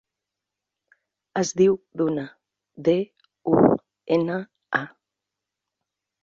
Es diu Duna: de, u, ena, a.